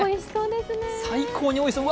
最高においしそう。